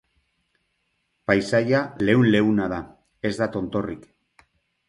Paisaia leun-leuna da, ez da tontorrik.